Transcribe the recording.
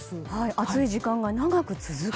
暑い時間が長く続く？